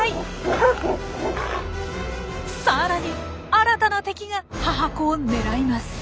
さらに新たな敵が母子を狙います。